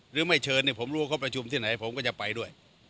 หรือไม่เชิญเนี่ยผมรู้ว่าเขาประชุมที่ไหนผมก็จะไปด้วย